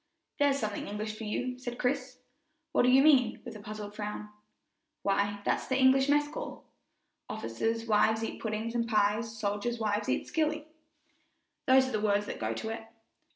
"There's something English for you," said Chris. "What do you mean?" with puzzled frown. "Why, that's the English mess call, "'Officers' wives eat puddings and pies, Soldiers' wives eat skilly' those are the words that go to it."